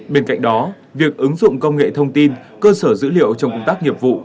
bên cạnh đó việc ứng dụng công nghệ thông tin cơ sở dữ liệu trong công tác nghiệp vụ